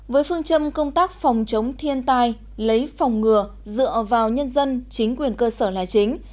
với phương châm công tác phòng chống thiên tai lấy phòng ngừa dựa vào nhân dân chính quyền cơ sở là chính